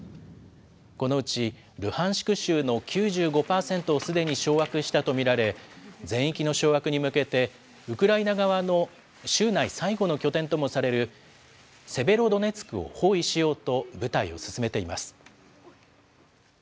このうちルハンシク州の９５％をすでに掌握したと見られ、全域の掌握に向けて、ウクライナ側の州内最後の拠点ともされるセベロドネツクを包囲しようと部隊を進めています。